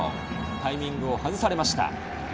タイミングを外されました。